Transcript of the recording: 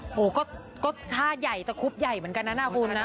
โอ้โหก็ท่าใหญ่ตะคุบใหญ่เหมือนกันนะคุณนะ